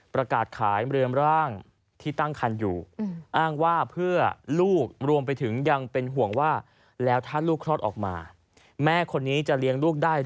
ประกาศขายเรือมร่าง